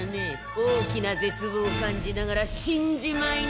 大きな絶望を感じながら死んじまいな！